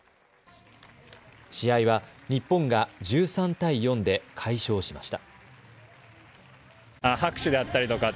試合は日本が１３対４で快勝しました。